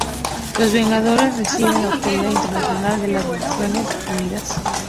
Los Vengadores recibieron la autoridad internacional de las Naciones Unidas.